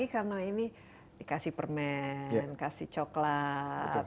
karena ini dikasih permen dikasih coklat